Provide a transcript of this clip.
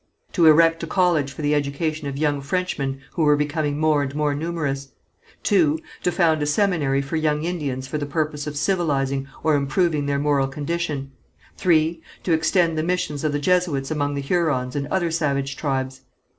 To erect a college for the education of young Frenchmen who were becoming more and more numerous. (2.) To found a seminary for young Indians for the purpose of civilizing or improving their moral condition. (3.) To extend the missions of the Jesuits among the Hurons and other savage tribes.